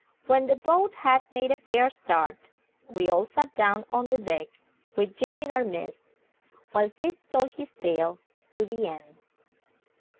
When the boat had made a fair start, we all sat down on the deck, with Jane in our midst, while Fritz told his tale to the end.